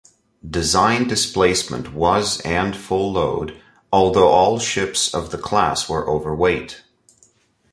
Design displacement was and full load, although all ships of the class were overweight.